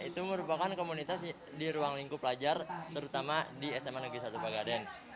itu merupakan komunitas di ruang lingkup pelajar terutama di sma negeri satu pagaden